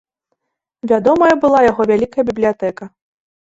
Вядомая была яго вялікая бібліятэка.